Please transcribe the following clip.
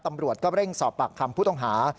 ตำรวจก็เร่งสอบปากคำผู้ต้องหา